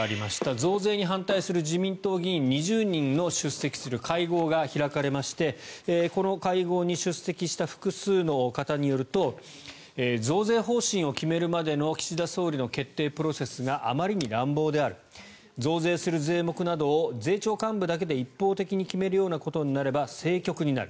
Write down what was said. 増税に反対する自民党議員２０人の出席する会合が開かれましてこの会合に出席した複数の方によると増税方針を決めるまでの岸田総理の決定プロセスがあまりに乱暴である増税する税目などを税調幹部だけで一方的に決めるようなことになれば政局になる。